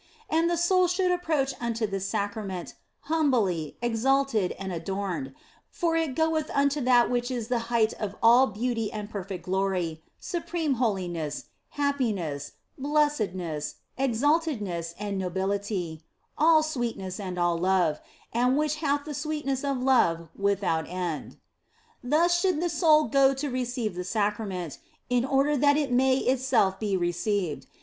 And the soul should approach unto this Sacrament humbly, exalted, and adorned, for it goeth unto that which is the height of all beauty and perfect glory, supreme holiness, happiness, blessedness, exaltedness, and nobility, all sweetness and all love, and which hath the sweetness of love without end. Thus should the soul go to receive the Sacrament, in order that it may itself be received.